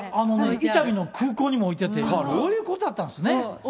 伊丹の空港にも置いてあって、こういうことだったんですね。